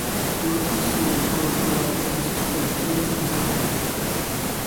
Luego se dedicó a probar que sus predicciones eran correctas".